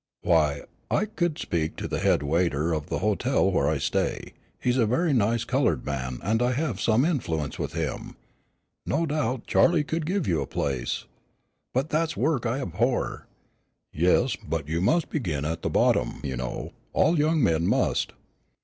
" Why I could speak to the head waiter of the hotel where I stay. He's a very nice colored man and I have some influence with him. No doubt Charlie could give you a place." "But that's a work I abhor." "Yes, but you must begin at the bottom, you know. All young men must."